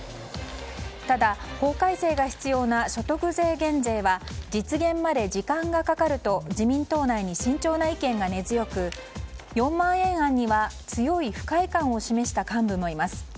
ただ、法改正が必要な所得税減税は実現まで時間がかかると自民党内に慎重な意見が根強く４万円案には強い不快感を示した幹部もいます。